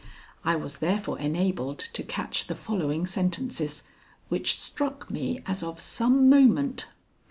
I was therefore enabled to catch the following sentences, which struck me as of some moment.